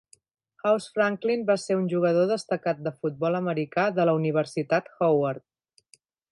House Franklin va ser un jugador destacat de futbol americà de la Universitat Howard.